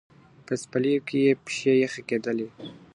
په څپلیو کي یې پښې یخی کېدلې .